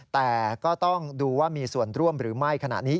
แต่ก็ต้องดูว่ามีส่วนร่วมหรือไม่ขณะนี้